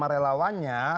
pakai nama relawannya